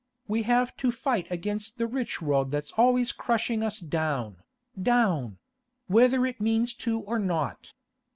We have to fight against the rich world that's always crushing us down, down—whether it means to or not.